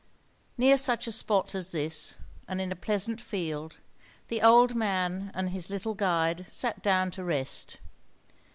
Near such a spot as this, and in a pleasant field, the old man and his little guide sat down to rest.